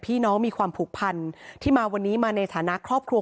มีความผูกพันที่มาวันนี้มาในฐานะครอบครัว